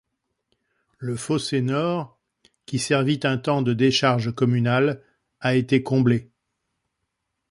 Le fossé nord qui servit un temps de décharge communale a été comblé.